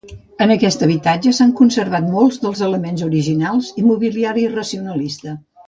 En aquest habitatge s'han conservat molts dels elements originals i mobiliari racionalista.